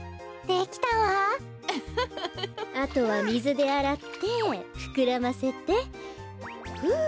あとはみずであらってふくらませてふう！